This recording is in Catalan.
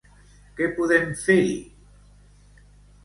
Què podem fer-hi!